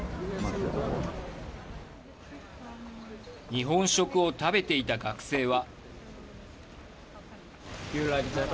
日本食を食べていた学生は。